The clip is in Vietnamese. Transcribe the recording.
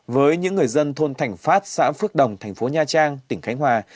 với những người dân thôn thành phát xã phước đồng tp nha trang tp khánh hòa